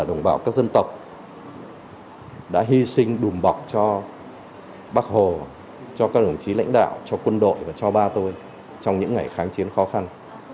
đồng bào các dân tộc đã hy sinh đùm bọc cho bác hồ cho các đồng chí lãnh đạo cho quân đội và cho ba tôi trong những ngày kháng chiến khó khăn